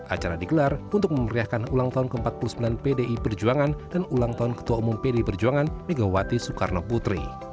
acara digelar untuk memeriahkan ulang tahun ke empat puluh sembilan pdi perjuangan dan ulang tahun ketua umum pdi perjuangan megawati soekarno putri